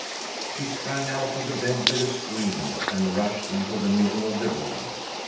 She sprang out of bed with a scream, and rushed into the middle of the room.